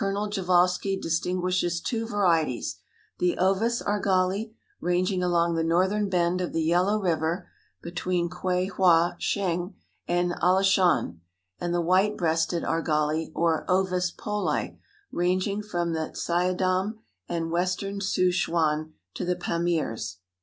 Prjevalsky distinguishes two varieties: the Ovis argali, ranging along the northern bend of the Yellow River, between Kuei hua Ch'eng and Alashan; and the white breasted argali, or Ovis poli, ranging from the Ts'aidam and western Ssu ch'uan to the Pamirs.